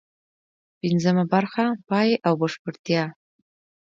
پنځمه برخه: پای او بشپړتیا